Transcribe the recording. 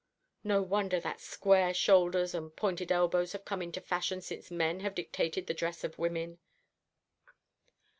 No wonder that square shoulders and pointed elbows have come into fashion since men have dictated the dress of women!"